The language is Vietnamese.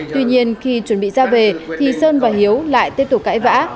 tuy nhiên khi chuẩn bị ra về thì sơn và hiếu lại tiếp tục cãi vã